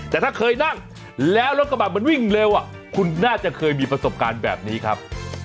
แต่ถ้าเคยนั่งแล้วรถกระบะมันวิ่งเร็วคุณน่าจะเคยมีประสบการณ์แบบนี้ครับ